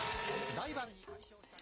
ライバルに快勝した日本。